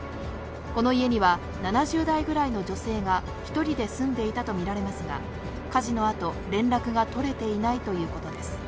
この家には、７０代ぐらいの女性が１人で住んでいたと見られますが、火事のあと、連絡が取れていないということです。